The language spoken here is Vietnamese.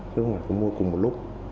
chứ không phải mua cùng một lúc